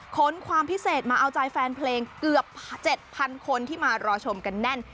ความพิเศษมาเอาใจแฟนเพลงเกือบ๗๐๐คนที่มารอชมกันแน่น